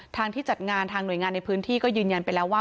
ที่จัดงานทางหน่วยงานในพื้นที่ก็ยืนยันไปแล้วว่า